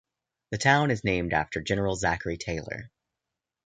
The town is named after General Zachary Taylor.